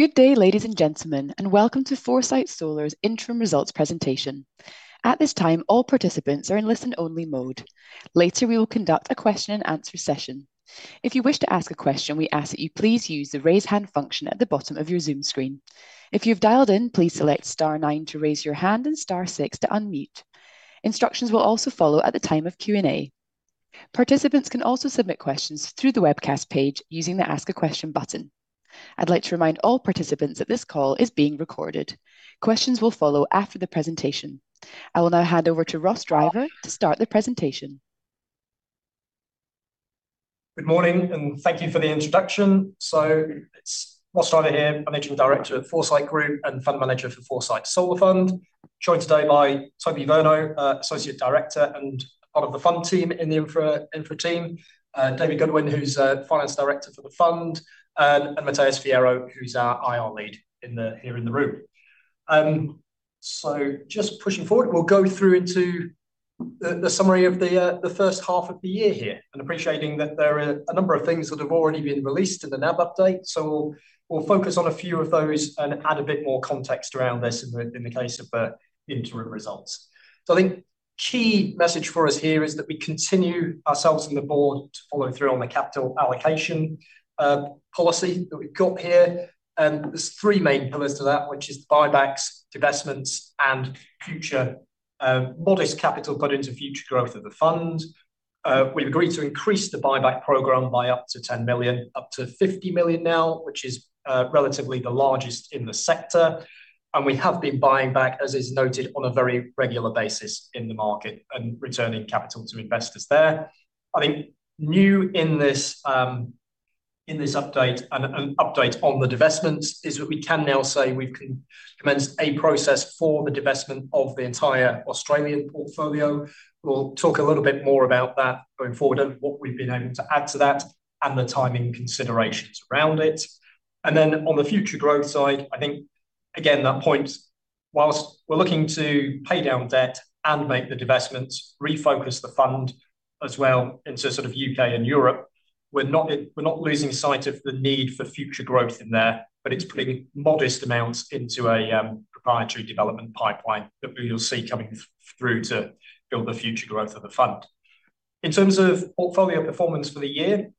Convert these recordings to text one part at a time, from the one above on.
Good day, ladies and gentlemen, and welcome to Foresight Solar's interim results presentation. At this time, all participants are in listen-only mode. Later, we will conduct a question and answer session. If you wish to ask a question, we ask that you please use the Raise Hand function at the bottom of your Zoom screen. If you've dialed in, please select star nine to raise your hand and star six to unmute. Instructions will also follow at the time of Q&A. Participants can also submit questions through the webcast page using the Ask a Question button. I'd like to remind all participants that this call is being recorded. Questions will follow after the presentation. I will now hand over to Ross Driver to start the presentation. Good morning, and thank you for the introduction. It's Ross Driver here, managing director at Foresight Group and fund manager for Foresight Solar Fund. Joined today by Toby Virno, associate director and part of the fund team in the infra team, David Goodwin, who's finance director for the fund, and Matheus Fierro, who's our IR lead here in the room. Just pushing forward, we'll go through into the summary of the first half of the year here and appreciating that there are a number of things that have already been released in the NAV update. We'll focus on a few of those and add a bit more context around this in the case of interim results. I think key message for us here is that we continue ourselves and the board to follow through on the capital allocation policy that we've got here. There's three main pillars to that, which is the buybacks, divestments, and future modest capital put into future growth of the fund. We've agreed to increase the buyback program by up to 10 million, up to 50 million now, which is relatively the largest in the sector. We have been buying back, as is noted, on a very regular basis in the market and returning capital to investors there. I think new in this update and update on the divestments is that we can now say we've commenced a process for the divestment of the entire Australian portfolio. We'll talk a little bit more about that going forward and what we've been able to add to that and the timing considerations around it. On the future growth side, I think again, that point, whilst we're looking to pay down debt and make the divestments, refocus the fund as well into sort of U.K. and Europe, we're not losing sight of the need for future growth in there, but it's putting modest amounts into a proprietary development pipeline that we will see coming through to build the future growth of the fund. In terms of portfolio performance for the year,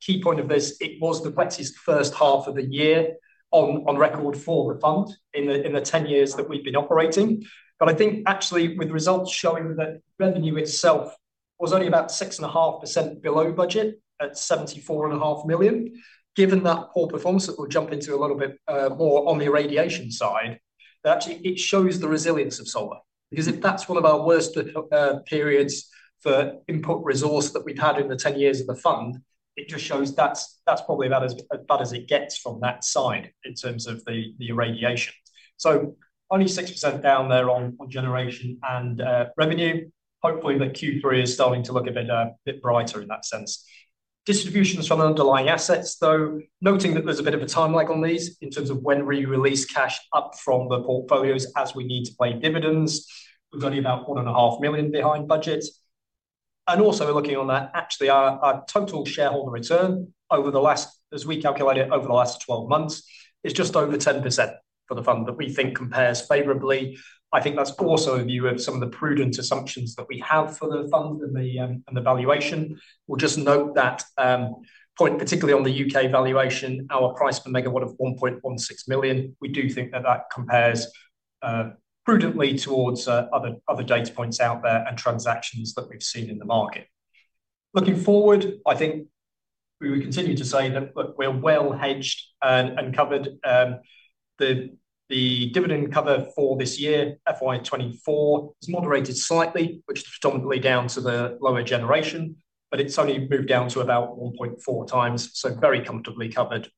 key point of this, it was the wettest first half of the year on record for the fund in the 10 years that we've been operating. I think actually with results showing that revenue itself was only about 6.5% below budget at 74.5 million, given that poor performance that we'll jump into a little bit more on the irradiation side, that actually it shows the resilience of solar. If that's one of our worst periods for input resource that we've had in the 10 years of the fund, it just shows that's probably about as bad as it gets from that side in terms of the irradiation. Only 6% down there on generation and revenue. Hopefully, the Q3 is starting to look a bit brighter in that sense. Distributions from the underlying assets, though, noting that there's a bit of a time lag on these in terms of when we release cash up from the portfolios as we need to pay dividends. We're only about 1.5 million behind budget. Also looking on that, actually our total shareholder return over the last, as we calculate it, over the last 12 months is just over 10% for the fund that we think compares favorably. I think that's also a view of some of the prudent assumptions that we have for the fund and the valuation. We'll just note that point particularly on the U.K. valuation, our price per megawatt of 1.16 million, we do think that that compares prudently towards other data points out there and transactions that we've seen in the market. Looking forward, I think we would continue to say that we're well hedged and covered. The dividend cover for this year, FY 2024, has moderated slightly, which is predominantly down to the lower generation, but it's only moved down to about 1.4 times, so very comfortably covered.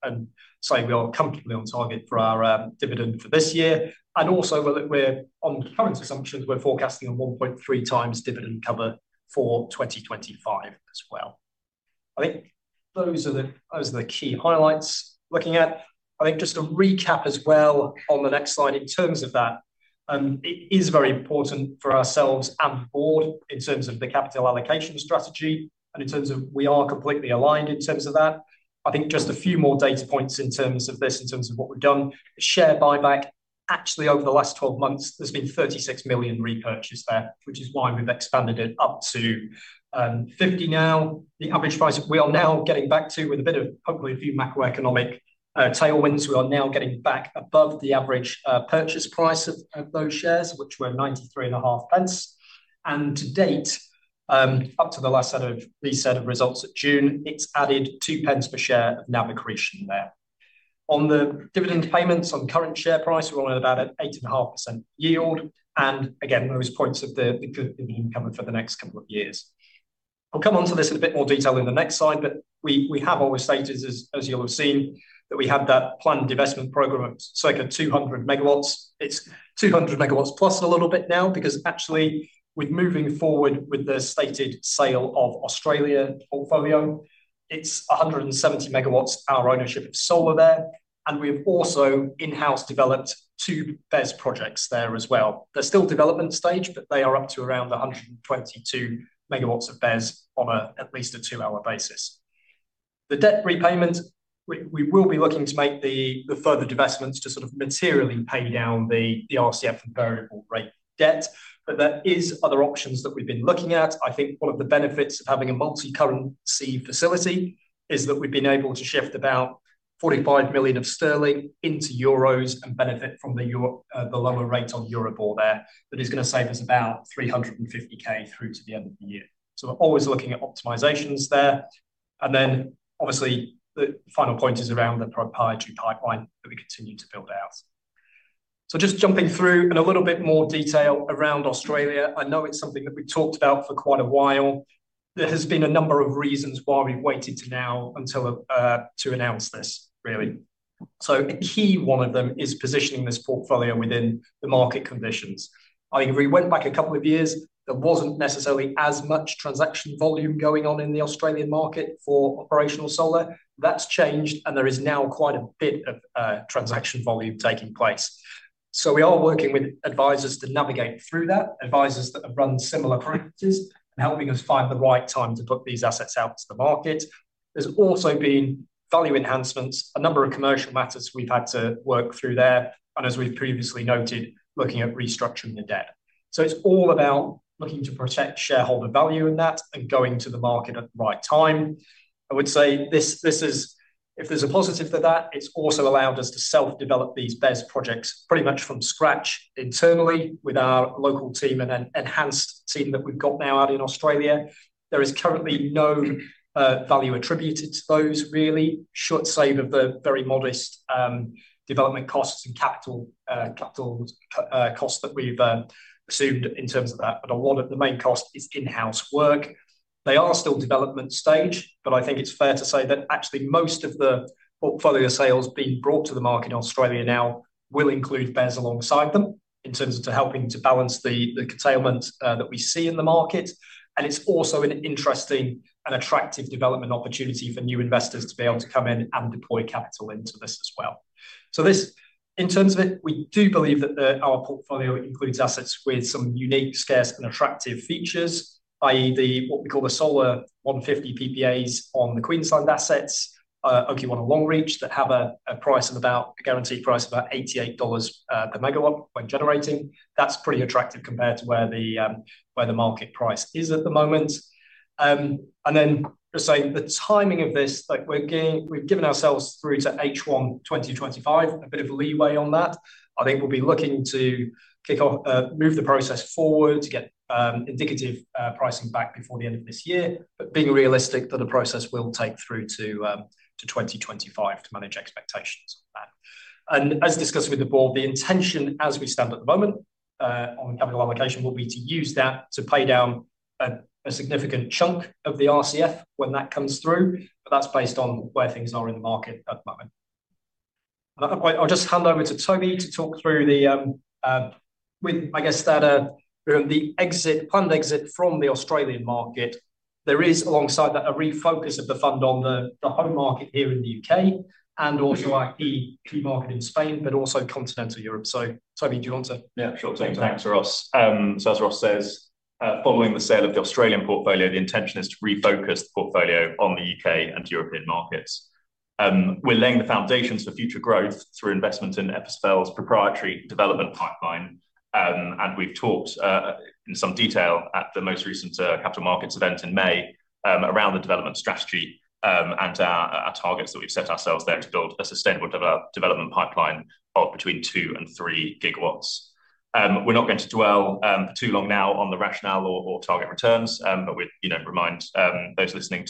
Say we are comfortably on target for our dividend for this year. Also we're on current assumptions, we're forecasting a 1.3 times dividend cover for 2025 as well. I think those are the, those are the key highlights looking at. I think just to recap as well on the next slide in terms of that, it is very important for ourselves and the board in terms of the capital allocation strategy and in terms of we are completely aligned in terms of that. I think just a few more data points in terms of this, in terms of what we've done. Share buyback, actually over the last 12 months, there's been 36 million repurchased there, which is why we've expanded it up to 50 now. The average price, we are now getting back to with a bit of hopefully a few macroeconomic tailwinds, we are now getting back above the average purchase price of those shares, which were 0.935. To date, up to the last set of results at June, it's added 0.02 per share of NAV accretion there. On the dividend payments on current share price, we're on about an 8.5% yield. Again, those points of the dividend cover for the next couple of years. I'll come on to this in a bit more detail in the next slide, but we have always stated as you'll have seen, that we have that planned divestment program of circa 200 MW. It's 200 MW plus a little bit now because actually with moving forward with the stated sale of Australia portfolio, it's 170 MW our ownership of solar there, and we've also in-house developed two BESS projects there as well. They're still development stage, but they are up to around 122 MW of BESS on at least a two-hour basis. The debt repayment, we will be looking to make the further divestments to sort of materially pay down the RCF variable rate debt, but there is other options that we've been looking at. I think one of the benefits of having a multi-currency facility is that we've been able to shift about 45 million of sterling into EUR and benefit from the lower rate on Euribor there. That is gonna save us about 350 thousand through to the end of the year. Obviously the final point is around the proprietary pipeline that we continue to build out. Just jumping through in a little bit more detail around Australia, I know it's something that we've talked about for quite a while. There has been a number of reasons why we've waited to now until to announce this really. A key one of them is positioning this portfolio within the market conditions. I think if we went back a couple of years, there wasn't necessarily as much transaction volume going on in the Australian market for operational solar. That's changed, there is now quite a bit of transaction volume taking place. We are working with advisors to navigate through that, advisors that have run similar practices and helping us find the right time to put these assets out to the market. There's also been value enhancements, a number of commercial matters we've had to work through there, as we've previously noted, looking at restructuring the debt. It's all about looking to protect shareholder value in that and going to the market at the right time. I would say this is. If there's a positive to that, it's also allowed us to self-develop these BESS projects pretty much from scratch internally with our local team and enhanced team that we've got now out in Australia. There is currently no value attributed to those really, short sale of the very modest development costs and capital costs that we've assumed in terms of that. A lot of the main cost is in-house work. They are still development stage, but I think it's fair to say that actually most of the portfolio sales being brought to the market in Australia now will include BESS alongside them in terms of to helping to balance the curtailment that we see in the market, and it's also an interesting and attractive development opportunity for new investors to be able to come in and deploy capital into this as well. This, in terms of it, we do believe that our portfolio includes assets with some unique, scarce and attractive features, i.e. the what we call the Solar 150 PPAs on the Queensland assets, Oakey One and Longreach, that have a price of about, a guaranteed price of about 88 dollars per megawatt when generating. That's pretty attractive compared to where the market price is at the moment. Just saying the timing of this, like we've given ourselves through to H1 2025, a bit of leeway on that. I think we'll be looking to kick off, move the process forward to get indicative pricing back before the end of this year. Being realistic that the process will take through to 2025 to manage expectations on that. As discussed with the board, the intention as we stand at the moment, on capital allocation will be to use that to pay down a significant chunk of the RCF when that comes through, but that's based on where things are in the market at the moment. I'll just hand over to Toby to talk through the with, I guess, that, you know, planned exit from the Australian market. There is alongside that a refocus of the fund on the home market here in the U.K. and also our key market in Spain, but also continental Europe. Toby, do you want to Yeah, sure thing. Take that. Thanks, Ross. As Ross says, following the sale of the Australian portfolio, the intention is to refocus the portfolio on the U.K. and European markets. We're laying the foundations for future growth through investment in FSFL's proprietary development pipeline. We've talked in some detail at the most recent capital markets event in May around the development strategy and our targets that we've set ourselves there to build a sustainable development pipeline of between 2 and 3 GW. We're not going to dwell for too long now on the rationale or target returns, we, you know, remind those listening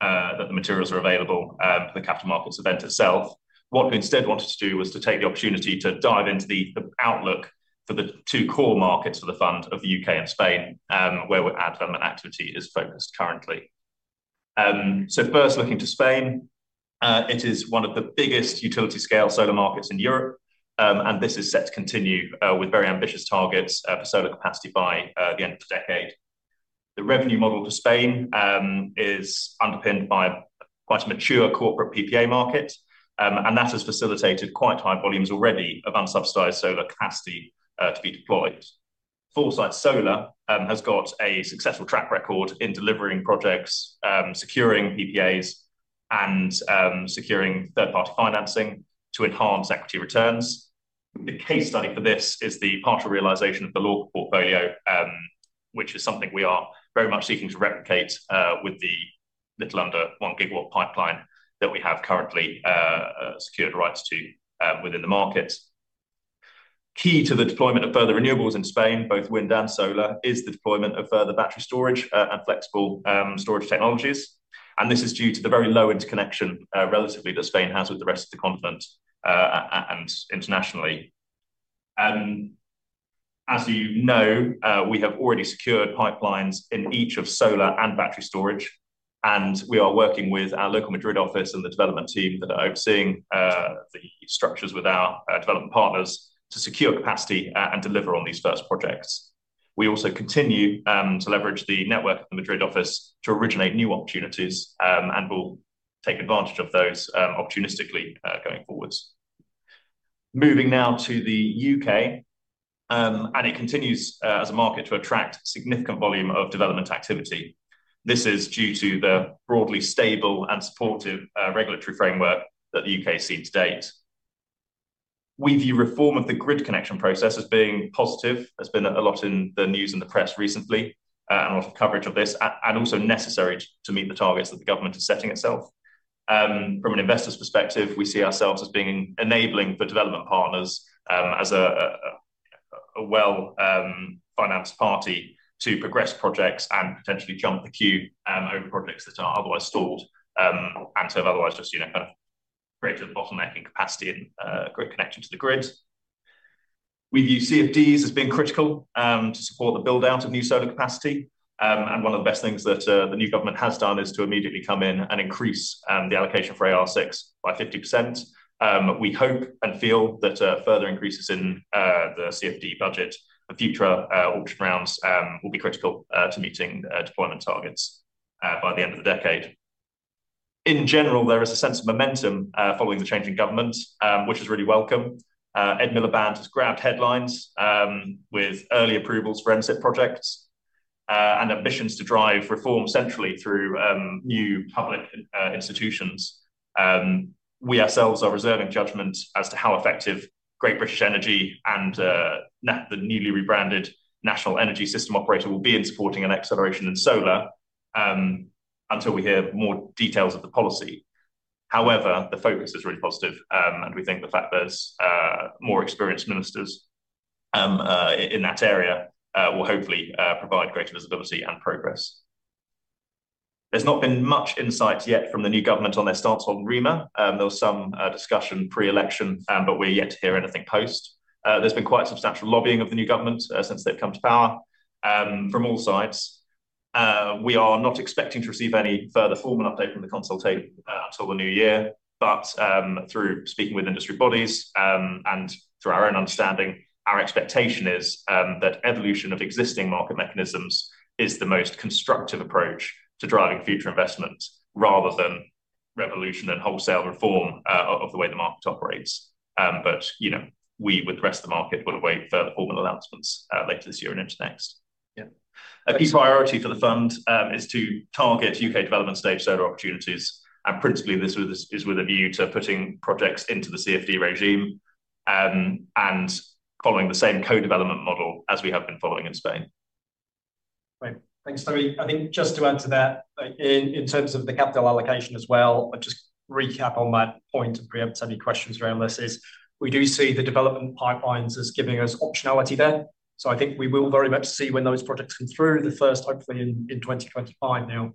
that the materials are available at the capital markets event itself. What we instead wanted to do was to take the opportunity to dive into the outlook for the two core markets for the fund of the U.K. and Spain, where we're at and activity is focused currently. First looking to Spain, it is one of the biggest utility scale solar markets in Europe, and this is set to continue with very ambitious targets for solar capacity by the end of the decade. The revenue model for Spain is underpinned by quite a mature corporate PPA market, and that has facilitated quite high volumes already of unsubsidized solar capacity to be deployed. Foresight Solar has got a successful track record in delivering projects, securing PPAs and securing third-party financing to enhance equity returns. The case study for this is the partial realization of the Lorca portfolio, which is something we are very much seeking to replicate with the little under 1 GW pipeline that we have currently secured rights to within the market. Key to the deployment of further renewables in Spain, both wind and solar, is the deployment of further battery storage and flexible storage technologies. This is due to the very low interconnection, relatively that Spain has with the rest of the continent and internationally. As you know, we have already secured pipelines in each of solar and battery storage, and we are working with our local Madrid office and the development team that are overseeing the structures with our development partners to secure capacity and deliver on these first projects. We also continue to leverage the network of the Madrid office to originate new opportunities, and we'll take advantage of those opportunistically going forwards. Moving now to the U.K., it continues as a market to attract significant volume of development activity. This is due to the broadly stable and supportive regulatory framework that the U.K.'s seen to date. We view reform of the grid connection process as being positive. There's been a lot in the news and the press recently, a lot of coverage of this, and also necessary to meet the targets that the government is setting itself. From an investor's perspective, we see ourselves as being enabling for development partners, as a well-financed party to progress projects and potentially jump the queue over projects that are otherwise stalled, and so have otherwise just, you know, kind of created a bottleneck in capacity and grid connection to the grid. We view CFDs as being critical to support the build-out of new solar capacity, and one of the best things that the new government has done is to immediately come in and increase the allocation for AR6 by 50%. We hope and feel that further increases in the CFD budget and future auction rounds will be critical to meeting deployment targets by the end of the decade. In general, there is a sense of momentum following the change in government, which is really welcome. Ed Miliband has grabbed headlines with early approvals for NSIP projects and ambitions to drive reform centrally through new public institutions. We ourselves are reserving judgment as to how effective Great British Energy and the newly rebranded National Energy System Operator will be in supporting an acceleration in solar until we hear more details of the policy. The focus is really positive, and we think the fact there's more experienced ministers in that area will hopefully provide greater visibility and progress. There's not been much insight yet from the new government on their stance on REMA. There was some discussion pre-election, we're yet to hear anything post. There's been quite substantial lobbying of the new government since they've come to power from all sides. We are not expecting to receive any further formal update from the consultation until the new year. Through speaking with industry bodies and through our own understanding, our expectation is that evolution of existing market mechanisms is the most constructive approach to driving future investment rather than revolution and wholesale reform of the way the market operates. You know, we, with the rest of the market, will await further formal announcements later this year and into next. Yeah. A key priority for the Fund is to target U.K. development-stage solar opportunities, and principally this is with a view to putting projects into the CFD regime, and following the same co-development model as we have been following in Spain. Right. Thanks, Toby. I think just to add to that, in terms of the capital allocation as well, I'll just recap on that point to preempt any questions around this, is we do see the development pipelines as giving us optionality there. I think we will very much see when those projects come through, the first hopefully in 2025 now.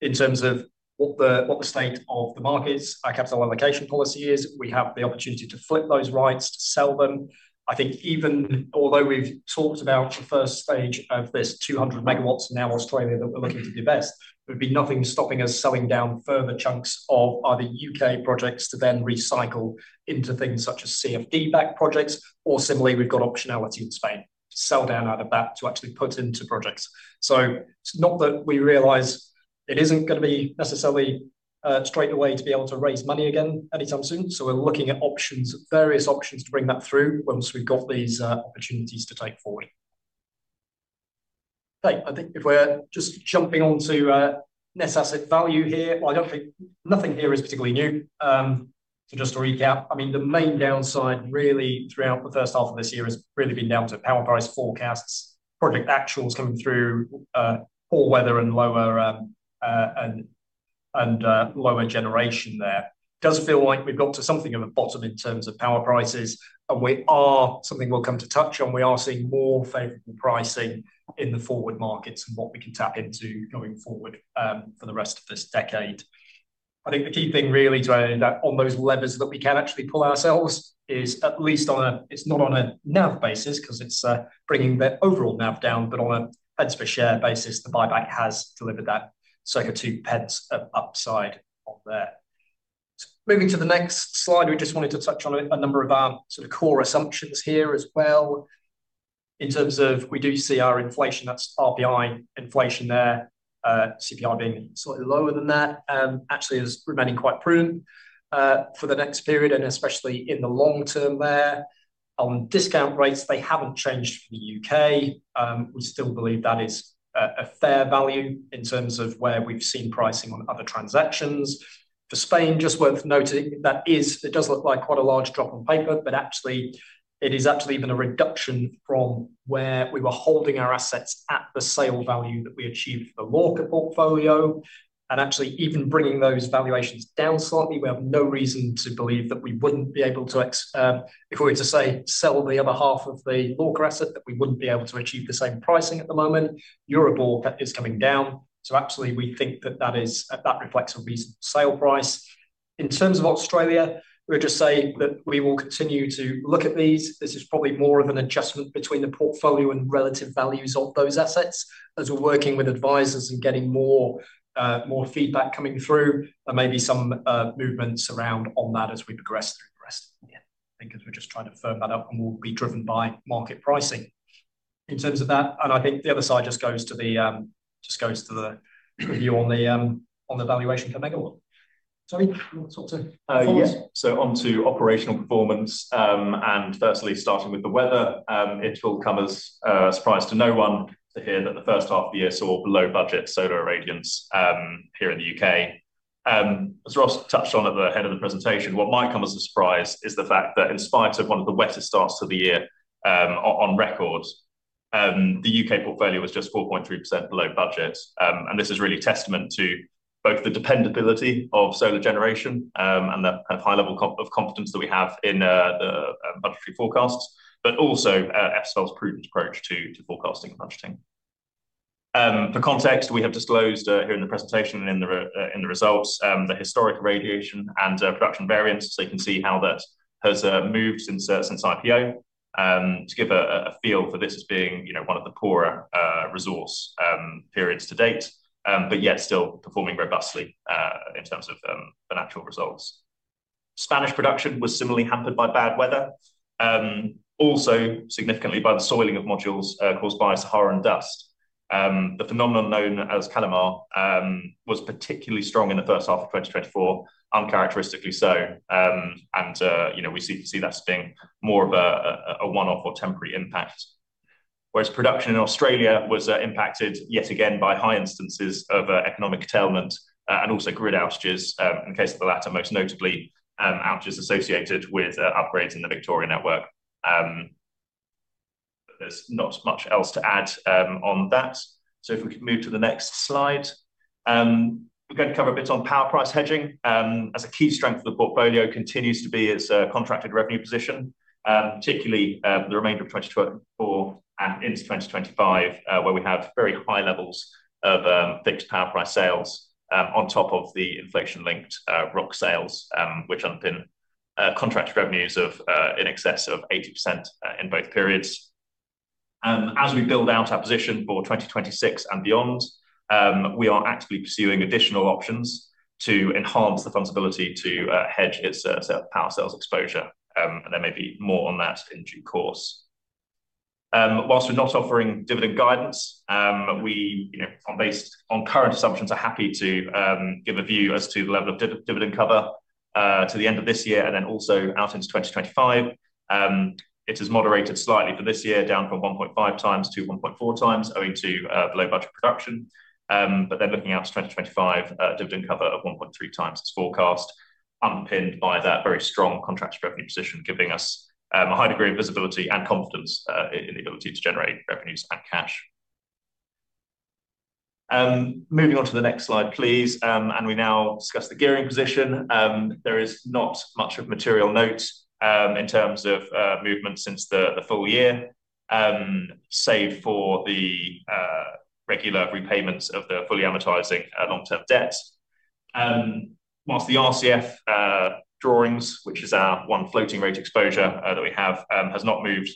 In terms of what the state of the market is, our capital allocation policy is, we have the opportunity to flip those rights, to sell them. I think even although we've talked about the first stage of this 200 MW now Australia that we're looking to divest, there'd be nothing stopping us selling down further chunks of other U.K. projects to then recycle into things such as CFD-backed projects. Similarly, we've got optionality in Spain to sell down out of that to actually put into projects. It's not that we realize it isn't gonna be necessarily straight away to be able to raise money again anytime soon, so we're looking at options, various options to bring that through once we've got these opportunities to take forward. Right. I think if we're just jumping on to net asset value here, I don't think. Nothing here is particularly new. Just to recap, I mean, the main downside really throughout the first half of this year has really been down to power price forecasts, project actuals coming through, poor weather and lower and lower generation there. Does feel like we've got to something of a bottom in terms of power prices, and we are, something we'll come to touch on, we are seeing more favorable pricing in the forward markets and what we can tap into going forward for the rest of this decade. I think the key thing really to add in that, on those levers that we can actually pull ourselves, it's not on a NAV basis, 'cause it's bringing the overall NAV down, but on a pence per share basis, the buyback has delivered that sort of GBP 0.02 upside on there. Moving to the next slide, we just wanted to touch on a number of our sort of core assumptions here as well. In terms of we do see our inflation, that's RPI inflation there, CPI being slightly lower than that, actually as remaining quite prudent, for the next period and especially in the long term there. On discount rates, they haven't changed for the U.K. We still believe that is a fair value in terms of where we've seen pricing on other transactions. For Spain, just worth noting, it does look like quite a large drop on paper, but actually it is actually even a reduction from where we were holding our assets at the sale value that we achieved for the Lorca portfolio. Actually, even bringing those valuations down slightly, we have no reason to believe that we wouldn't be able to, if we were to, say, sell the other half of the Lorca portfolio, that we wouldn't be able to achieve the same pricing at the moment. Euribor debt is coming down, so absolutely we think that that is, that reflects a reasonable sale price. In terms of Australia, we would just say that we will continue to look at these. This is probably more of an adjustment between the portfolio and relative values of those assets as we're working with advisors and getting more feedback coming through. There may be some movements around on that as we progress through the rest of the year. I think as we're just trying to firm that up, and we'll be driven by market pricing. In terms of that, I think the other side just goes to the view on the valuation per megawatt. Sorry, you want to talk to performance? Yes. Onto operational performance, and firstly starting with the weather, it will come as a surprise to no one to hear that the first half of the year saw below budget solar irradiance here in the U.K. As Ross touched on at the head of the presentation, what might come as a surprise is the fact that in spite of one of the wettest starts to the year on record, the U.K. portfolio was just 4.3% below budget. This is really testament to both the dependability of solar generation and the kind of high level of confidence that we have in the budgetary forecasts, but also FSFL's proven approach to forecasting and budgeting. For context, we have disclosed here in the presentation and in the results, the historic radiation and production variance. You can see how that has moved since IPO, to give a feel for this as being, you know, one of the poorer resource periods to date, but yet still performing robustly in terms of the natural results. Spanish production was similarly hampered by bad weather, also significantly by the soiling of modules, caused by Saharan dust. The phenomenon known as Calima was particularly strong in the first half of 2024, uncharacteristically so. You know, we see that as being more of a one-off or temporary impact. Whereas production in Australia was impacted yet again by high instances of economic curtailment and also grid outages. In the case of the latter, most notably, outages associated with upgrades in the Victoria network. There's not much else to add on that. If we can move to the next slide. We're going to cover a bit on power price hedging, as a key strength of the portfolio continues to be its contracted revenue position, particularly the remainder of 2024 and into 2025, where we have very high levels of fixed power price sales, on top of the inflation-linked ROC sales, which underpin contract revenues of in excess of 80% in both periods. As we build out our position for 2026 and beyond, we are actively pursuing additional options to enhance the Fund's ability to hedge its power sales exposure. There may be more on that in due course. Whilst we're not offering dividend guidance, we, you know, based on current assumptions, are happy to give a view as to the level of dividend cover to the end of this year and then also out into 2025. It has moderated slightly for this year, down from 1.5 times to 1.4 times owing to below-budget production. Looking out to 2025, dividend cover of 1.3 times its forecast, underpinned by that very strong contracted revenue position, giving us a high degree of visibility and confidence in the ability to generate revenues and cash. Moving on to the next slide, please, we now discuss the gearing position. There is not much of material note in terms of movement since the full year, save for the regular repayments of the fully amortizing long-term debt. Whilst the RCF drawings, which is our one floating rate exposure that we have, has not moved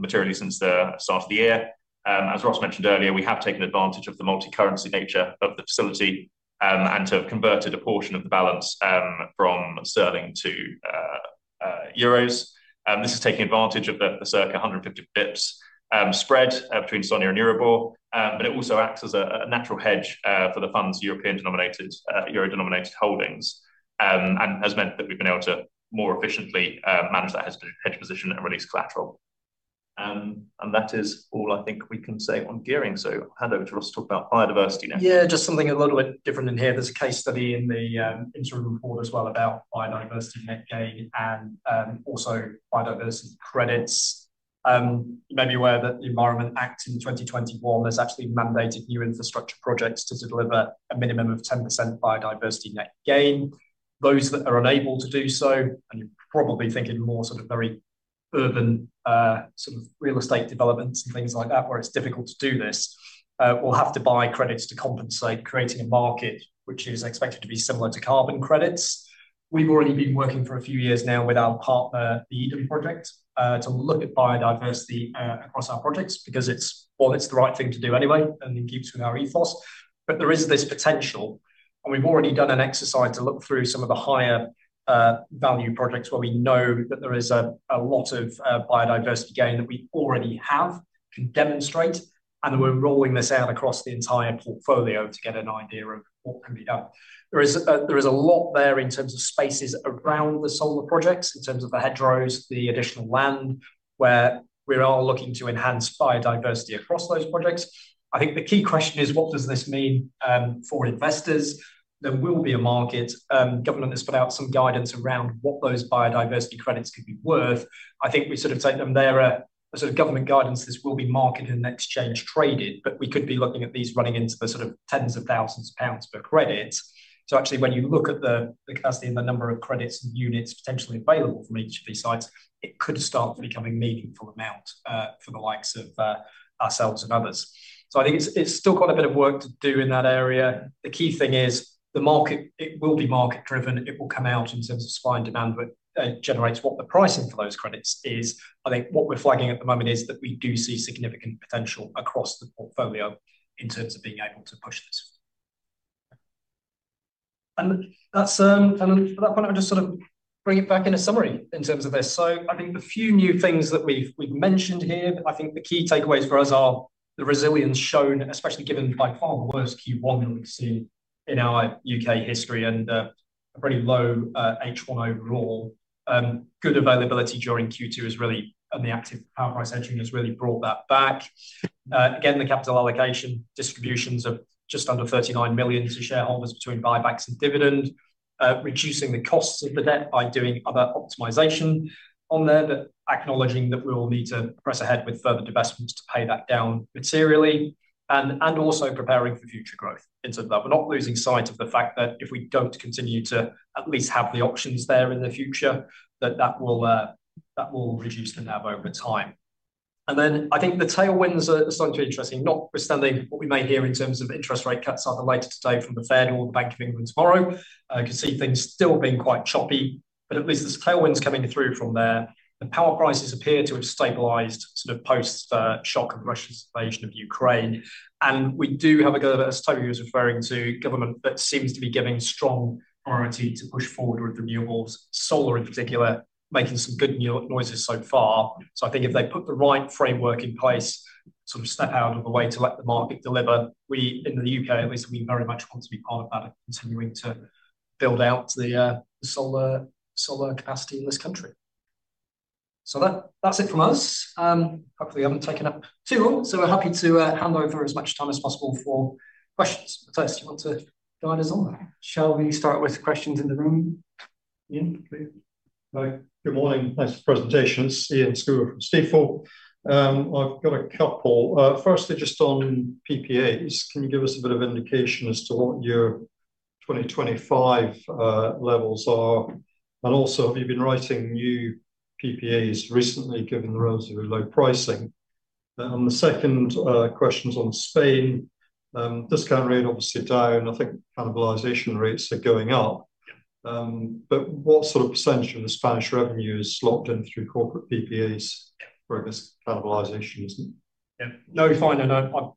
materially since the start of the year. As Ross mentioned earlier, we have taken advantage of the multicurrency nature of the facility, and to have converted a portion of the balance from GBP to EUR. This is taking advantage of the circa 150 basis points spread between SONIA and Euribor, but it also acts as a natural hedge for the Fund's European-denominated, EUR-denominated holdings, and has meant that we've been able to more efficiently manage that hedge position and release collateral. That is all I think we can say on gearing. I'll hand over to Ross to talk about biodiversity now. Yeah, just something a little bit different in here. There's a case study in the interim report as well about Biodiversity Net Gain and also biodiversity credits. You may be aware that the Environment Act in 2021 has actually mandated new infrastructure projects to deliver a minimum of 10% Biodiversity Net Gain. Those that are unable to do so, and you're probably thinking more sort of very urban, sort of real estate developments and things like that where it's difficult to do this, will have to buy credits to compensate, creating a market which is expected to be similar to carbon credits. We've already been working for a few years now with our partner, the Eden Project, to look at biodiversity across our projects because it's well, it's the right thing to do anyway and in keeps with our ethos. There is this potential, and we've already done an exercise to look through some of the higher value projects where we know that there is a lot of Biodiversity Net Gain that we already have, can demonstrate, and that we're rolling this out across the entire portfolio to get an idea of what can be done. There is a lot there in terms of spaces around the solar projects, in terms of the hedgerows, the additional land where we are looking to enhance biodiversity across those projects. I think the key question is what does this mean for investors? There will be a market. Government has put out some guidance around what those biodiversity credits could be worth. I think we sort of take them, they're a sort of government guidance. This will be market and exchange traded. We could be looking at these running into the sort of tens of thousands of GBP per credit. Actually, when you look at the cost and the number of credits and units potentially available from each of these sites, it could start becoming meaningful amount for the likes of ourselves and others. I think it's still got a bit of work to do in that area. The key thing is the market, it will be market driven. It will come out in terms of supply and demand. It generates what the pricing for those credits is. I think what we're flagging at the moment is that we do see significant potential across the portfolio in terms of being able to push this. At that point I'll just sort of bring it back in a summary in terms of this. I think the few new things that we've mentioned here, I think the key takeaways for us are the resilience shown, especially given by far the worst Q1 that we've seen in our U.K. history and a pretty low H1 overall. Good availability during Q2 is really and the active power price hedging has really brought that back. Again, the capital allocation distributions of just under 39 million to shareholders between buybacks and dividend, reducing the costs of the debt by doing other optimization on there, but acknowledging that we will need to press ahead with further divestments to pay that down materially, and also preparing for future growth in terms of that. We're not losing sight of the fact that if we don't continue to at least have the options there in the future, that that will reduce the NAV over time. I think the tailwinds are starting to be interesting, notwithstanding what we may hear in terms of interest rate cuts either later today from the Fed or the Bank of England tomorrow. I can see things still being quite choppy, at least there's tailwinds coming through from there. The power prices appear to have stabilized sort of post the shock of Russia's invasion of Ukraine. We do have a government, as Toby was referring to, a government that seems to be giving strong priority to push forward with renewables, solar in particular, making some good no-noises so far. I think if they put the right framework in place, sort of step out of the way to let the market deliver, we in the U.K. at least, we very much want to be part of that and continuing to build out the solar capacity in this country. That's it from us. Hopefully we haven't taken up too long, we're happy to hand over as much time as possible for questions. First, you want to guide us on that? Shall we start with questions in the room? Hi. Good morning. Nice presentation. It's [inaudible] from Stifel. I've got a couple. Firstly, just on PPAs, can you give us a bit of indication as to what your 2025 levels are? Also, have you been writing new PPAs recently, given the relatively low pricing? The second question's on Spain. Discount rate obviously down, I think cannibalization rates are going up. Yeah. What sort of percentage of the Spanish revenue is locked in through corporate PPAs? Yeah Where this cannibalization isn't? No, fine. No, no,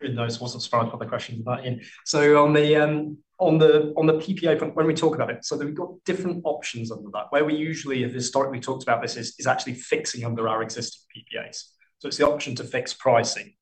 in the notes, wasn't surprised by the questions about it. On the PPA front when we talk about it, we've got different options under that. Where we usually have historically talked about this is actually fixing under our existing PPAs. It's the option to fix pricing.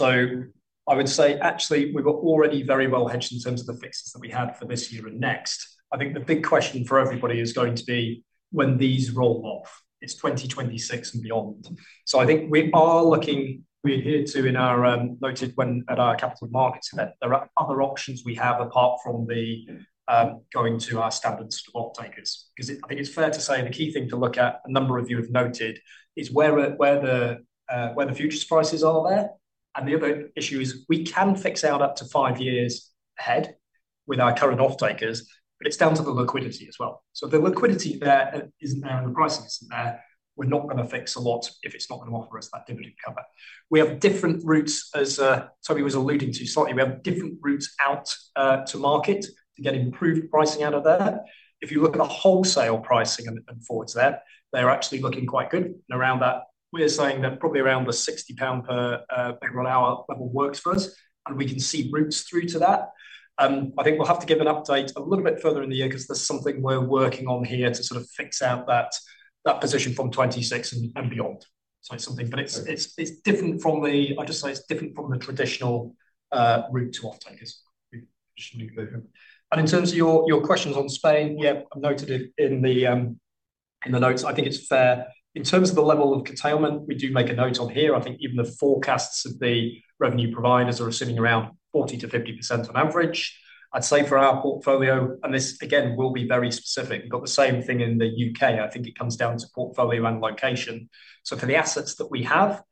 I would say actually we've got already very well hedged in terms of the fixes that we have for this year and next. I think the big question for everybody is going to be when these roll off, it's 2026 and beyond. I think we are looking, we're here to in our noted when at our capital markets event, there are other options we have apart from the going to our standard offtakers. 'Cause I think it's fair to say the key thing to look at, a number of you have noted, is where the futures prices are there. The other issue is we can fix out up to five years ahead with our current offtakers, but it's down to the liquidity as well. If the liquidity there isn't there and the pricing isn't there, we're not gonna fix a lot if it's not gonna offer us that dividend cover. We have different routes, as Toby was alluding to slightly, we have different routes out to market to get improved pricing out of there. If you look at the wholesale pricing and forwards there, they're actually looking quite good. Around that, we're saying that probably around the 60 pound per megawatt hour level works for us, and we can see routes through to that. I think we'll have to give an update a little bit further in the year 'cause that's something we're working on here to sort of fix out that position from 2026 and beyond. It's something. But it's different from the traditional route to offtakers. In terms of your questions on Spain, yeah, I've noted it in the notes. I think it's fair. In terms of the level of curtailment, we do make a note on here. I think even the forecasts of the revenue providers are assuming around 40%-50% on average. I'd say for our portfolio, and this again will be very specific, we've got the same thing in the U.K. I think it comes down to portfolio and location. For the assets that we have,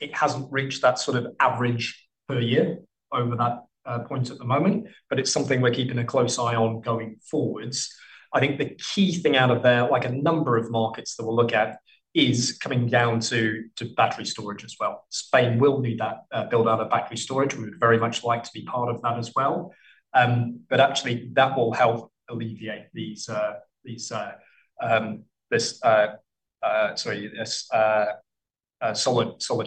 it hasn't reached that sort of average per year over that point at the moment. It's something we're keeping a close eye on going forwards. I think the key thing out of there, like a number of markets that we'll look at, is coming down to battery storage as well. Spain will need that build-out of battery storage. We would very much like to be part of that as well. Actually that will help alleviate these solar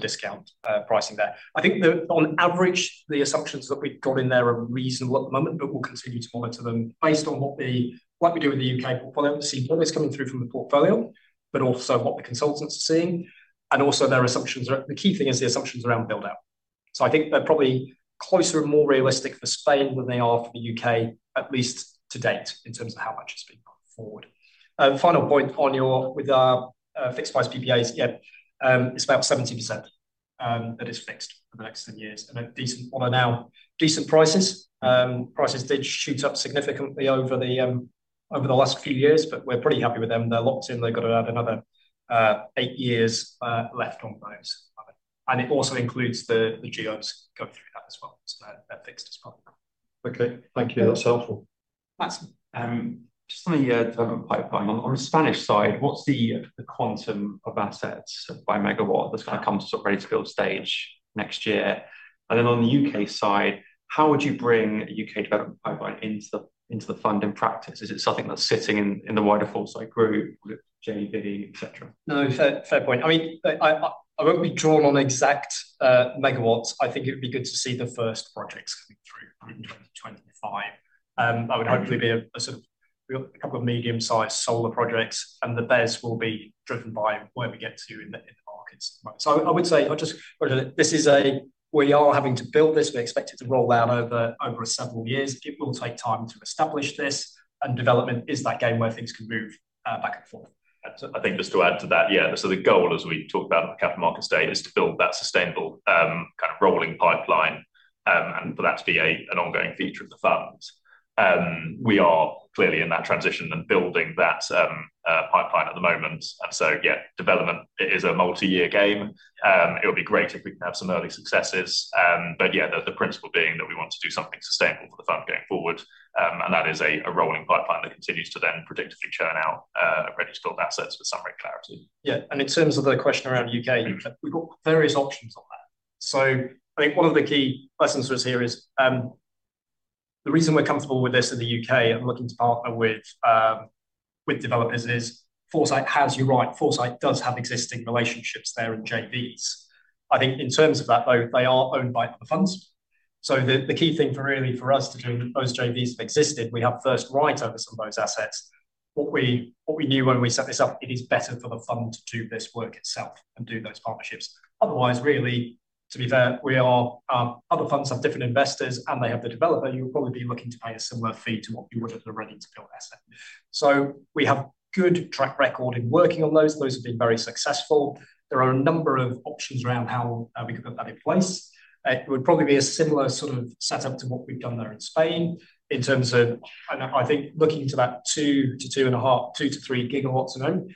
discount pricing there. I think on average, the assumptions that we've got in there are reasonable at the moment, but we'll continue to monitor them based on what we do in the U.K. portfolio, seeing what is coming through from the portfolio, but also what the consultants are seeing, and also their assumptions. The key thing is the assumptions around build-out. I think they're probably closer and more realistic for Spain than they are for the U.K., at least to date, in terms of how much is being put forward. Final point on your, with fixed price PPAs, it's about 70% that is fixed for the next 10 years. A decent one are now decent prices. Prices did shoot up significantly over the last few years, but we're pretty happy with them. They're locked in. They've got another eight years left on those. It also includes the GOs going through that as well. They're fixed as part of that. Okay. Thank you. That's helpful. That's just on the development pipeline. On the Spanish side, what's the quantum of assets by megawatt that's gonna come to sort of ready to build stage next year? On the U.K. side, how would you bring U.K. development pipeline into the fund in practice? Is it something that's sitting in the wider Foresight Group with JV, et cetera? No. Fair, fair point. I mean, I, I won't be drawn on exact MW. I think it would be good to see the first projects coming through in 2025. We got a couple medium-sized solar projects, and the BESS will be driven by where we get to in the, in the markets. Right. I would say, This is a, we are having to build this. We expect it to roll out over several years. It will take time to establish this, and development is that game where things can move back and forth. I think just to add to that, yeah, so the goal as we talk about the capital markets data is to build that sustainable, kind of rolling pipeline, and for that to be an ongoing feature of the fund. We are clearly in that transition and building that pipeline at the moment. Yeah, development is a multi-year game. It would be great if we can have some early successes. Yeah, the principle being that we want to do something sustainable for the fund going forward. That is a rolling pipeline that continues to then predictably churn out ready-to-build assets with summary clarity. Yeah. In terms of the question around U.K. We've got various options on that. I think one of the key lessons for us here is the reason we're comfortable with this in the U.K. and looking to partner with with developers is Foresight has you right. Foresight does have existing relationships there and JVs. I think in terms of that, though, they are owned by the funds. The key thing for really for us to do those JVs have existed, we have first right over some of those assets. What we, what we knew when we set this up, it is better for the fund to do this work itself and do those partnerships. Otherwise, really to be there. Other funds have different investors, and they have the developer. You'll probably be looking to pay a similar fee to what you would at a ready-to-build asset. We have good track record in working on those. Those have been very successful. There are a number of options around how we could put that in place. It would probably be a similar sort of set up to what we've done there in Spain. I think looking to that two to two and a half, 2 GW to 3 GW a month,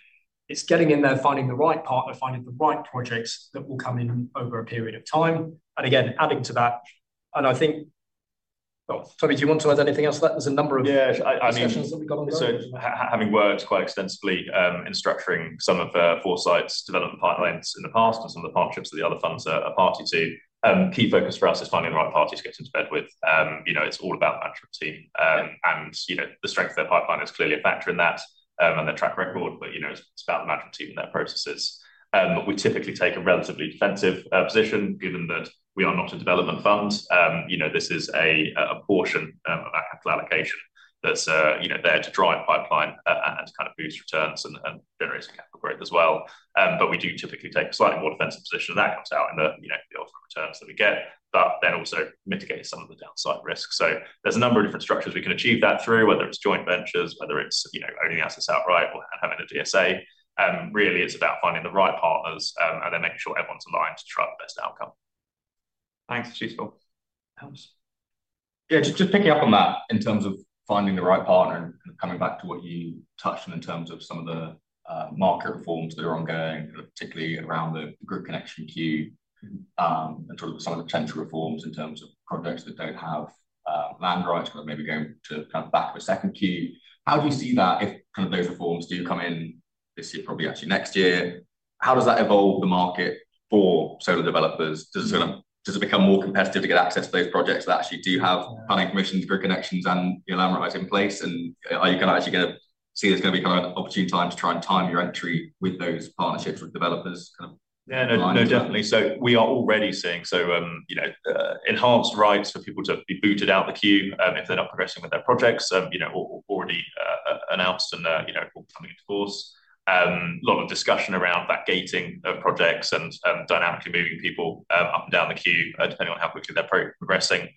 it's getting in there, finding the right partner, finding the right projects that will come in over a period of time. Again, adding to that. Oh, Toby, do you want to add anything else to that? There's a number of Yeah. discussions that we've got ongoing. Having worked quite extensively in structuring some of the Foresight's development pipelines in the past and some of the partnerships that the other funds are party to, key focus for us is finding the right parties to get into bed with. You know, it's all about match and team. You know, the strength of their pipeline is clearly a factor in that and their track record. You know, it's about the match of team and their processes. We typically take a relatively defensive position given that we are not a development fund. You know, this is a portion of our capital allocation that's, you know, there to drive pipeline and to kind of boost returns and generate some capital growth as well. We do typically take a slightly more defensive position, and that comes out in the, you know, the overall returns that we get, but then also mitigate some of the downside risks. There's a number of different structures we can achieve that through, whether it's joint ventures, whether it's, you know, owning assets outright or, and having a GSA. Really it's about finding the right partners, and then making sure everyone's aligned to try the best outcome. Thanks. It is useful. Helps. Just picking up on that in terms of finding the right partner and coming back to what you touched on in terms of some of the market reforms that are ongoing, particularly around the group connection queue, and sort of some of the potential reforms in terms of projects that don't have land rights, but maybe going to back of a second queue. How do you see that if kind of those reforms do come in this year, probably actually next year? How does that evolve the market for solar developers? Does it? Does it become more competitive to get access to those projects that actually do have planning permissions, grid connections, and, you know, land rights in place? Are you gonna actually see there's gonna be kind of an opportunity time to try and time your entry with those partnerships with developers? Yeah. No, no, definitely. We are already seeing, you know, enhanced rights for people to be booted out the queue, if they're not progressing with their projects, you know, or already announced and, you know, coming into force. A lot of discussion around that gating of projects and dynamically moving people up and down the queue, depending on how quickly they're progressing.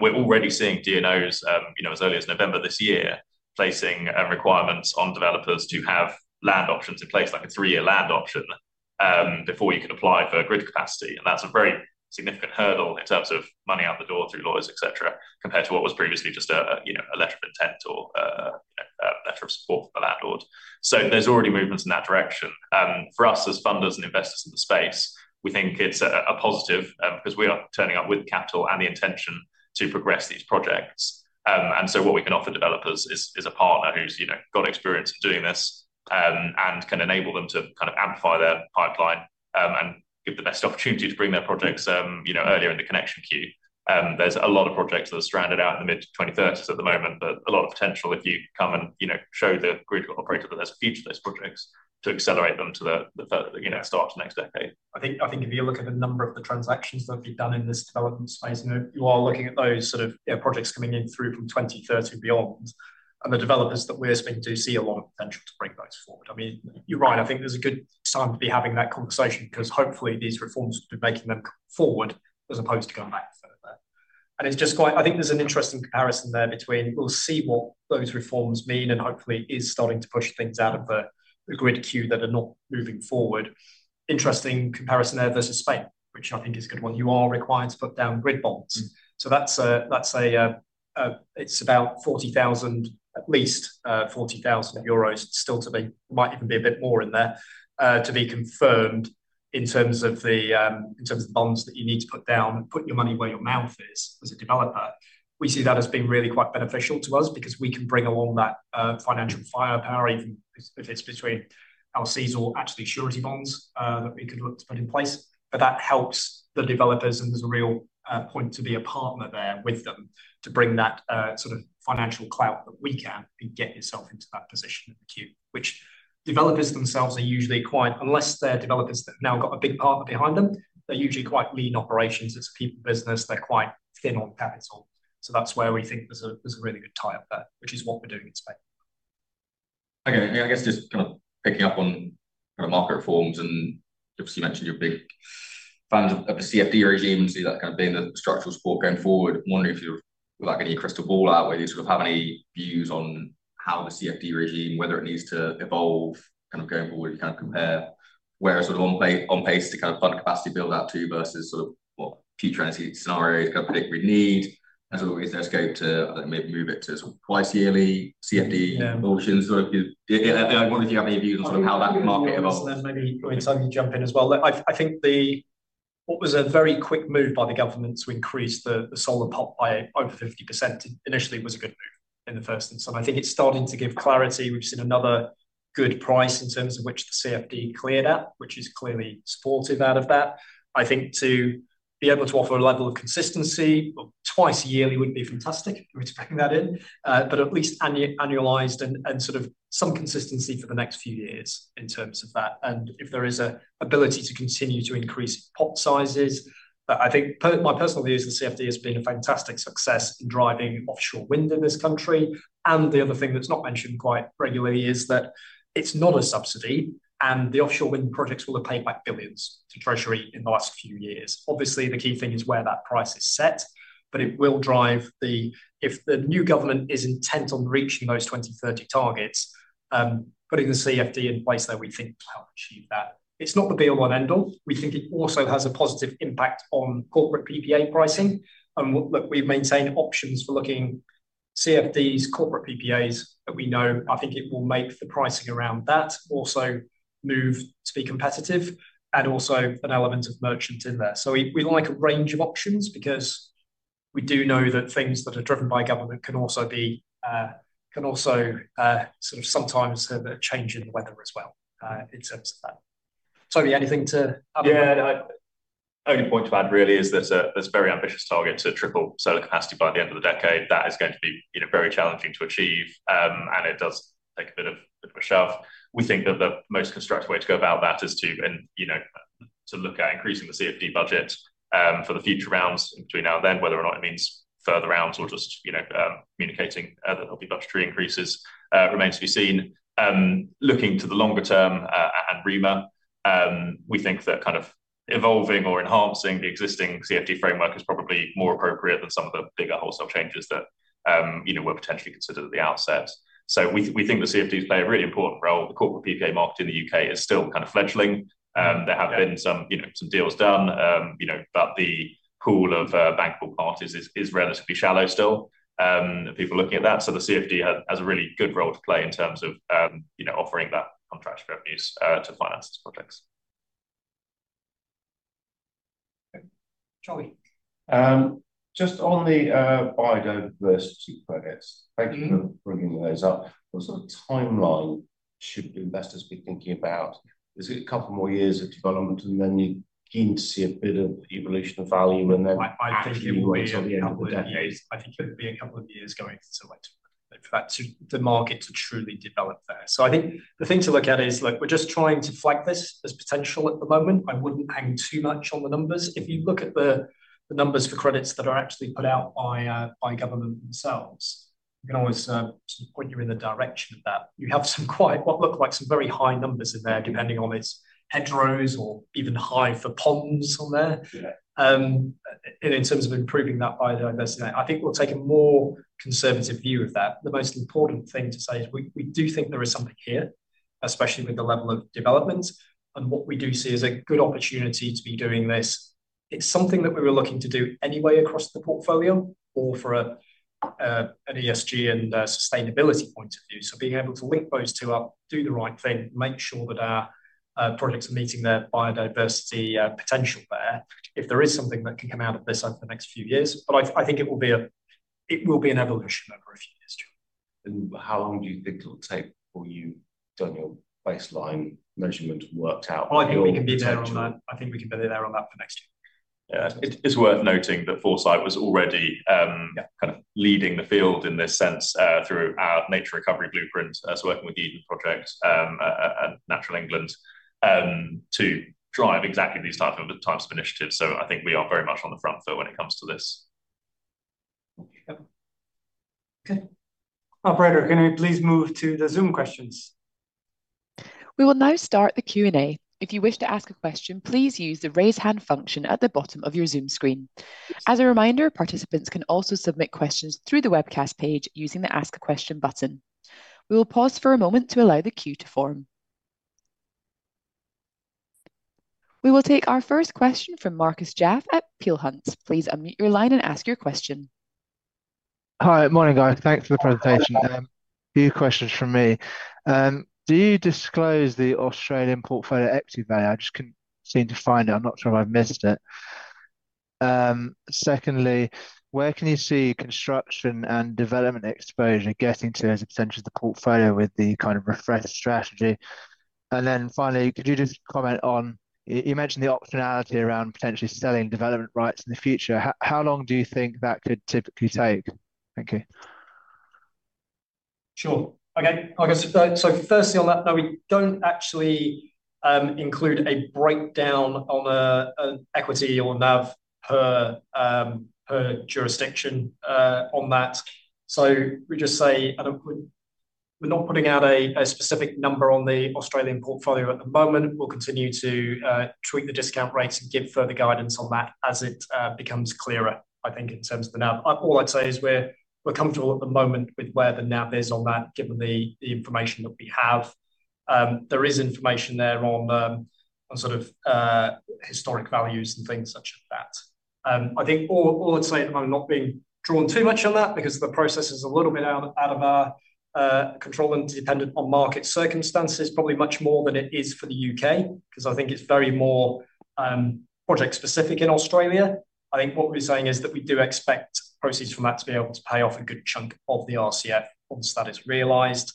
We're already seeing DNOs, you know, as early as November this year, placing requirements on developers to have land options in place, like a three-year land option, before you can apply for grid capacity, and that's a very significant hurdle in terms of money out the door through lawyers, et cetera, compared to what was previously just a, you know, a letter of intent or, you know, a letter of support for the landlord. There's already movements in that direction. For us as funders and investors in the space, we think it's a positive, because we are turning up with capital and the intention to progress these projects. What we can offer developers is a partner who's, you know, got experience of doing this, and can enable them to kind of amplify their pipeline, and give the best opportunity to bring their projects, you know, earlier in the connection queue. There's a lot of projects that are stranded out in the mid-2030s at the moment, but a lot of potential if you come and, you know, show the grid operator that there's a future to those projects to accelerate them to the, you know, start of next decade. I think if you look at the number of the transactions that have been done in this development space, you know, you are looking at those sort of, yeah, projects coming in through from 2030 beyond, and the developers that we're speaking to see a lot of potential to bring those forward. I mean, you're right, I think there's a good time to be having that conversation because hopefully these reforms will be making them come forward as opposed to going back further. It's just quite. I think there's an interesting comparison there between we'll see what those reforms mean and hopefully is starting to push things out of the grid queue that are not moving forward. Interesting comparison there versus Spain, which I think is a good one. You are required to put down grid bonds. That's a, it's about 40,000 euros, at least, 40,000 euros still to be, might even be a bit more in there, to be confirmed in terms of the, in terms of bonds that you need to put down and put your money where your mouth is as a developer. We see that as being really quite beneficial to us because we can bring along that financial firepower even if it's between RCFs or actually surety bonds that we could look to put in place. That helps the developers, and there's a real point to be a partner there with them to bring that sort of financial clout that we can To that position in the queue, which developers themselves are usually quite. Unless they're developers that have now got a big partner behind them, they're usually quite lean operations. It's a people business. They're quite thin on capital. That's where we think there's a, there's a really good tie-up there, which is what we're doing in Spain. I guess just kind of picking up on kind of market reforms, you obviously mentioned you're big fans of the CFD regime, and see that kind of being the structural support going forward. I'm wondering if you've, like, any crystal ball out, whether you sort of have any views on how the CFD regime, whether it needs to evolve kind of going forward. You kind of compare where sort of on pace to kind of fund capacity build that to versus sort of what key trends, scenarios kind of predict we need. Is there scope to maybe move it to sort of twice yearly CFD. Yeah Yeah, yeah. I wonder if you have any views on sort of how that market evolves. I'll give you my views on that and then maybe Toby can jump in as well. I think what was a very quick move by the government to increase the solar pot by over 50% initially was a good move in the first instance. I think it's starting to give clarity. We've seen another good price in terms of which the CFD cleared at, which is clearly supportive out of that. I think to be able to offer a level of consistency, well, twice yearly would be fantastic if we're to factor that in. At least annualized and sort of some consistency for the next few years in terms of that, if there is an ability to continue to increase pot sizes. I think per my personal view is the CFD has been a fantastic success in driving offshore wind in this country, and the other thing that's not mentioned quite regularly is that it's not a subsidy, and the offshore wind projects will have paid back billions to Treasury in the last few years. Obviously, the key thing is where that price is set. If the new government is intent on reaching those 2030 targets, putting the CFD in place there, we think will help achieve that. It's not the be-all and end-all. We think it also has a positive impact on corporate PPA pricing and look, we've maintained options for looking CFDs, corporate PPAs that we know. I think it will make the pricing around that also move to be competitive and also an element of merchant in there. We like a range of options because we do know that things that are driven by government can also sort of sometimes have a change in the weather as well, in terms of that. Toby, anything to add on that? Yeah. The only point to add really is that there's a very ambitious target to triple solar capacity by the end of the decade. That is going to be, you know, very challenging to achieve, and it does take a bit of a shove. We think that the most constructive way to go about that is to, you know, to look at increasing the CFD budget for the future rounds in between now and then, whether or not it means further rounds or just, you know, communicating there'll be budgetary increases, remains to be seen. Looking to the longer term, and REMA, we think that kind of evolving or enhancing the existing CFD framework is probably more appropriate than some of the bigger wholesale changes that, you know, were potentially considered at the outset. We think the CFDs play a really important role. The corporate PPA market in the U.K. is still kind of fledgling. There have been some, you know, some deals done, you know, but the pool of bankable parties is relatively shallow still, people looking at that. The CFD has a really good role to play in terms of, you know, offering that contract revenues to finance these projects. Okay. Charlie. Just on the biodiversity credits. Thank you for bringing those up. What sort of timeline should investors be thinking about? Is it a couple more years of development and then you're keen to see a bit of evolution of volume and then actually right till the end of the decade? I think it will be a couple of years. I think it'll be a couple of years for the market to truly develop there. I think the thing to look at is, look, we're just trying to flag this as potential at the moment. I wouldn't hang too much on the numbers. If you look at the numbers for credits that are actually put out by government themselves, we can always sort of point you in the direction of that. You have some quite, what look like some very high numbers in there, depending on its hedgerows or even high for ponds on there. Yeah. In terms of improving that biodiversity, I think we'll take a more conservative view of that. The most important thing to say is we do think there is something here, especially with the level of development, and what we do see is a good opportunity to be doing this. It's something that we were looking to do anyway across the portfolio or for an ESG and a sustainability point of view. Being able to link those two up, do the right thing, make sure that our projects are meeting their biodiversity potential there, if there is something that can come out of this over the next few years. I think it will be an evolution over a few years, Charlie. How long do you think it'll take before you've done your baseline measurement and worked out your potential-? I think we can be there on that. I think we can be there on that for next year. Yeah. It's worth noting that Foresight was already kind of leading the field in this sense, through our Nature Recovery Blueprint as working with the Eden Project and Natural England, to drive exactly these types of initiatives. I think we are very much on the front foot when it comes to this. Okay. Okay. Operator, can I please move to the Zoom questions? We will now start the Q&A. If you wish to ask a question, please use the raise hand function at the bottom of your Zoom screen. As a reminder, participants can also submit questions through the webcast page using the Ask a Question button. We will pause for a moment to allow the queue to form. We will take our first question from Marcus Jaffe at Peel Hunt. Please unmute your line and ask your question. Hi. Morning, guys. Thanks for the presentation. A few questions from me. Do you disclose the Australian portfolio equity value? I just couldn't seem to find it. I'm not sure if I've missed it. Secondly, where can you see construction and development exposure getting to as a percentage of the portfolio with the kind of refreshed strategy? Finally, could you just comment on, you mentioned the optionality around potentially selling development rights in the future. How long do you think that could typically take? Thank you. Sure. Okay. I guess, firstly on that, no, we don't actually include a breakdown on the equity or NAV per jurisdiction on that. We just say and we're not putting out a specific number on the Australian portfolio at the moment. We'll continue to tweak the discount rates and give further guidance on that as it becomes clearer, I think, in terms of the NAV. All I'd say is we're comfortable at the moment with where the NAV is on that given the information that we have. There is information there on sort of historic values and things such as that. I think all I'd say at the moment, not being drawn too much on that because the process is a little bit out of our control and dependent on market circumstances, probably much more than it is for the U.K., 'cause I think it's very more project specific in Australia. I think what we're saying is that we do expect proceeds from that to be able to pay off a good chunk of the RCF once that is realized.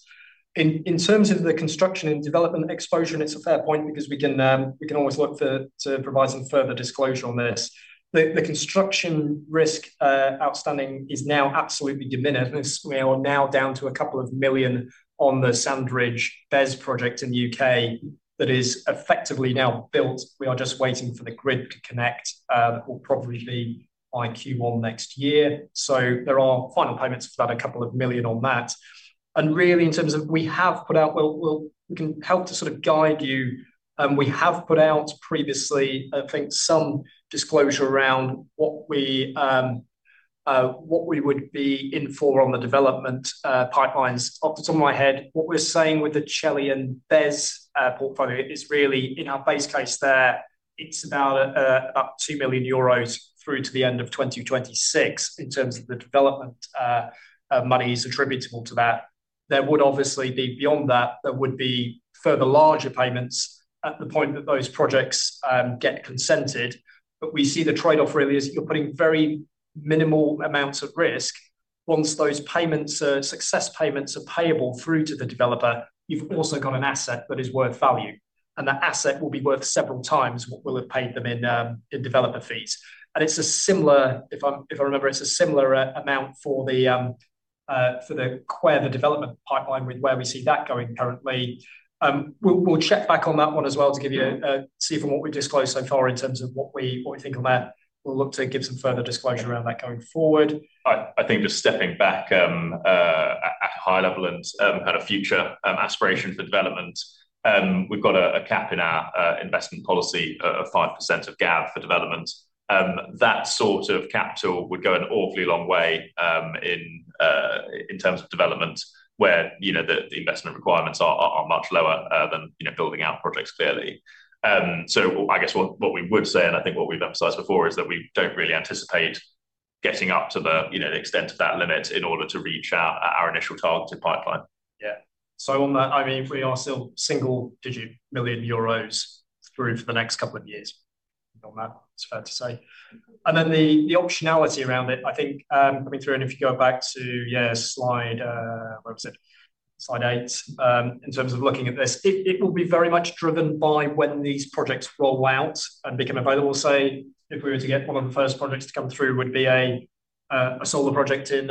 In terms of the construction and development exposure, and it's a fair point because we can, we can always look for to provide some further disclosure on this. The construction risk outstanding is now absolutely de minimis. We are now down to 2 million on the Sandridge BESS project in the U.K. that is effectively now built. We are just waiting for the grid to connect, that will probably be Q1 next year. There are final payments for that, a couple of million on that. Really, in terms of We can help to sort of guide you, we have put out previously, I think, some disclosure around what we, what we would be in for on the development pipelines. Off the top of my head, what we're saying with the Celliant BESS portfolio is really in our base case there, it's about up 2 million euros through to the end of 2026 in terms of the development monies attributable to that. There would obviously be beyond that, there would be further larger payments at the point that those projects get consented, but we see the trade-off really is you're putting very minimal amounts at risk. Once those success payments are payable through to the developer, you've also got an asset that is worth value, and that asset will be worth several times what we'll have paid them in development fees. It's a similar, if I remember, it's a similar amount for the Quair development pipeline with where we see that going currently. We'll check back on that one as well to give you, see from what we've disclosed so far in terms of what we, what we think on that. We'll look to give some further disclosure around that going forward. I think just stepping back, at a high level and kind of future aspiration for development, we've got a cap in our investment policy of 5% of GAV for development. That sort of capital would go an awfully long way in terms of development where, you know, the investment requirements are much lower than, you know, building out projects clearly. I guess what we would say, and I think what we've emphasized before, is that we don't really anticipate getting up to the, you know, the extent of that limit in order to reach our initial targeted pipeline. On that, I mean, we are still single-digit million EUR through to the next couple of years on that, it's fair to say. The optionality around it, I mean, through and if you go back to slide, where is it? Slide eight, in terms of looking at this, it will be very much driven by when these projects roll out and become available. Say, if we were to get one of the first projects to come through would be a solar project in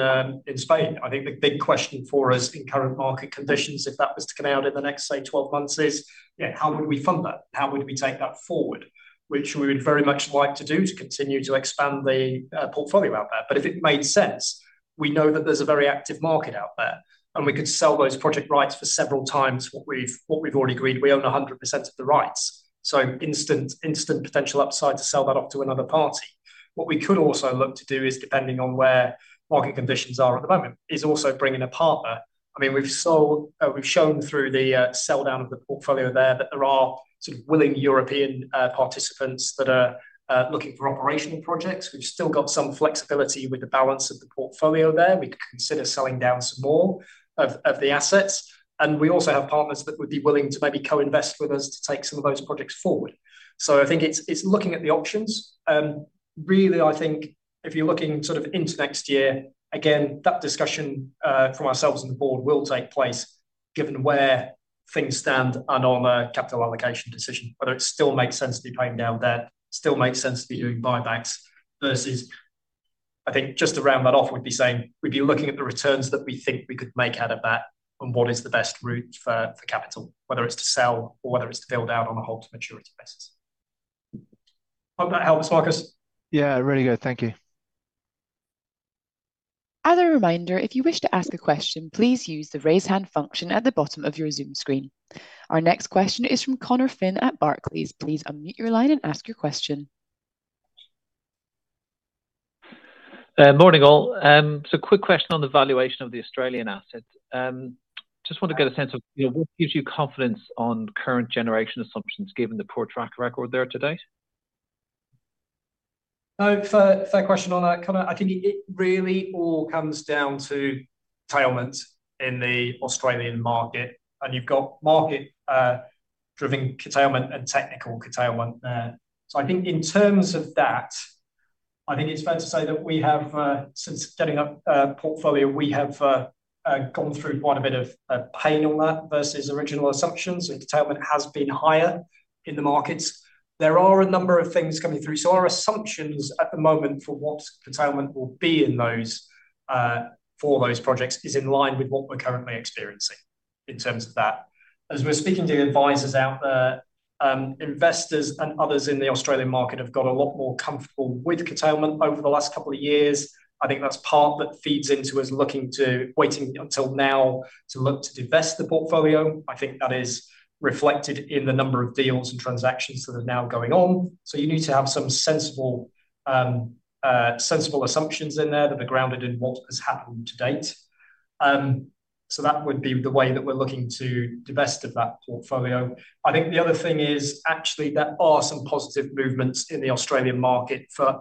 Spain. I think the big question for us in current market conditions, if that was to come out in the next, say, 12 months, is, you know, how would we fund that? How would we take that forward? Which we would very much like to do to continue to expand the portfolio out there. If it made sense, we know that there's a very active market out there, and we could sell those project rights for several times what we've already agreed. We own 100% of the rights, instant potential upside to sell that off to another party. What we could also look to do is, depending on where market conditions are at the moment, is also bring in a partner. I mean, we've sold, we've shown through the sell down of the portfolio there that there are sort of willing European participants that are looking for operational projects. We've still got some flexibility with the balance of the portfolio there. We could consider selling down some more of the assets. We also have partners that would be willing to maybe co-invest with us to take some of those projects forward. I think it's looking at the options. Really, I think if you're looking sort of into next year, again, that discussion from ourselves and the board will take place given where things stand and on a capital allocation decision, whether it still makes sense to be paying down debt, still makes sense to be doing buybacks versus, I think, just to round that off, we'd be saying we'd be looking at the returns that we think we could make out of that and what is the best route for capital, whether it's to sell or whether it's to build out on a hold to maturity basis. Hope that helps, Marcuz. Yeah, really good. Thank you. As a reminder, if you wish to ask a question, please use the raise hand function at the bottom of your Zoom screen. Our next question is from Conor Finn at Barclays. Please unmute your line and ask your question. Morning, all. Quick question on the valuation of the Australian assets. Just want to get a sense of, you know, what gives you confidence on current generation assumptions given the poor track record there to date. Fair question on that, Conor. I think it really all comes down to curtailment in the Australian market, and you've got market-driven curtailment and technical curtailment there. I think in terms of that, I think it's fair to say that we have, since setting up a portfolio, we have gone through quite a bit of pain on that versus original assumptions, so curtailment has been higher in the markets. There are a number of things coming through. Our assumptions at the moment for what curtailment will be in those for those projects is in line with what we're currently experiencing in terms of that. As we're speaking to advisors out there, investors and others in the Australian market have got a lot more comfortable with curtailment over the last couple of years. I think that's part that feeds into us looking to waiting until now to look to divest the portfolio. I think that is reflected in the number of deals and transactions that are now going on. You need to have some sensible assumptions in there that are grounded in what has happened to date. That would be the way that we're looking to divest of that portfolio. I think the other thing is actually there are some positive movements in the Australian market for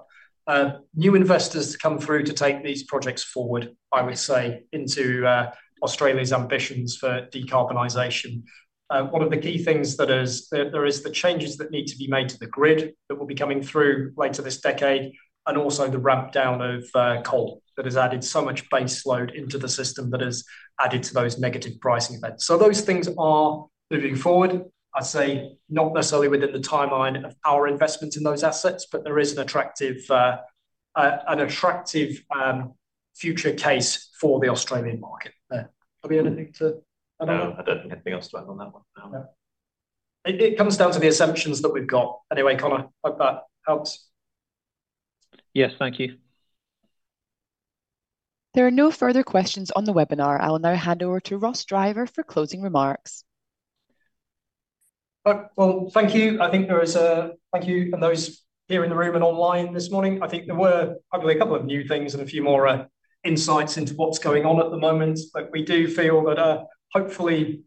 new investors to come through to take these projects forward, I would say, into Australia's ambitions for decarbonization. One of the key things that there is the changes that need to be made to the grid that will be coming through later this decade, and also the ramp down of coal that has added so much base load into the system that has added to those negative pricing events. Those things are moving forward, I'd say, not necessarily within the timeline of our investment in those assets, but there is an attractive future case for the Australian market there. Have you anything to add on? No, I don't think anything else to add on that one. No. No. It comes down to the assumptions that we've got. Conor, hope that helps. Yes. Thank you. There are no further questions on the webinar. I will now hand over to Ross Driver for closing remarks. Well, thank you. Thank you, and those here in the room and online this morning. I think there were probably a couple of new things and a few more insights into what's going on at the moment. We do feel that, hopefully,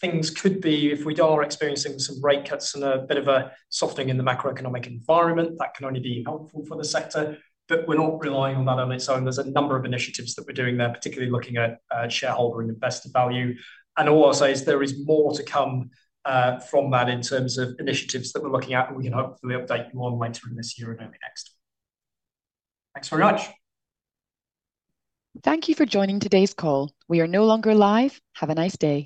things could be, if we are experiencing some rate cuts and a bit of a softening in the macroeconomic environment, that can only be helpful for the sector. We're not relying on that on its own. There's a number of initiatives that we're doing there, particularly looking at shareholder and investor value. All I'll say is there is more to come from that in terms of initiatives that we're looking at, and we can hopefully update you on later in this year and early next. Thanks very much. Thank you for joining today's call. We are no longer live. Have a nice day